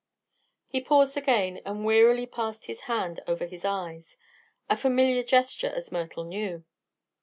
He paused again and wearily passed his hand over his eyes a familiar gesture, as Myrtle knew.